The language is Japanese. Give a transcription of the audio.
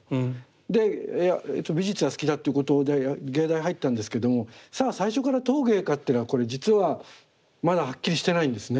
で美術が好きだっていうことで芸大入ったんですけどもさあ最初から陶芸かっていうのはこれ実はまだはっきりしてないんですね。